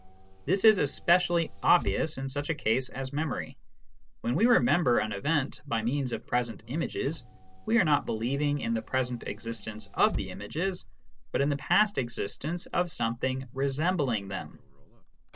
This is especially obvious in such a case as memory. When we remember an event by means of present images, we are not believing in the present existence of the images, but in the past existence of something resembling them.